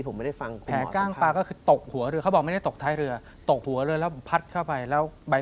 มันคือกระดุมเม็ดแรกเลยใช่ไหม